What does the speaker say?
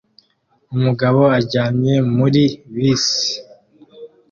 Umugabo aryamye muri bisi